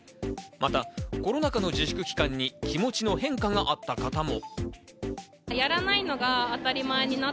またコロナ禍の自粛期間に気持ちの変化があった方も。